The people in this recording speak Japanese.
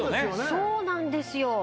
そうなんですよ。